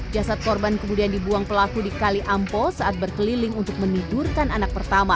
jasad korban kemudian dibuang pelaku di kali ampo saat berkeliling untuk menidurkan anak pertama